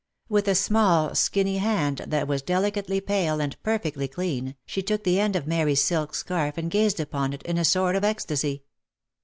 With a small, skinny hand that was deli cately pale, and perfectly clean, she took the end of Mary's silk scarf and gazed upon it in a sort of ecstasy.